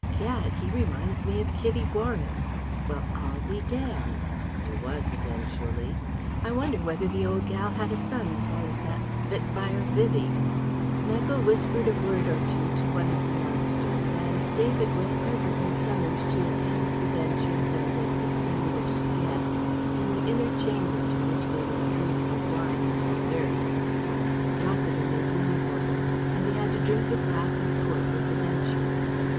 "Gad! he reminds me of Kitty Warren! Well, I'll be damned" (he was eventually) "I wonder whether the old gal had a son as well as that spitfire Vivie?!" Michael whispered a word or two to one of the Masters, and David was presently summoned to attend the Benchers and their distinguished guests in the inner chamber to which they withdrew for wine and dessert. Rossiter made room for him, and he had to drink a glass of port with the Benchers.